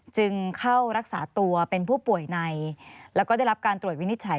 จึงเข้ารักษาตัวเป็นผู้ป่วยในแล้วก็ได้รับการตรวจวินิจฉัย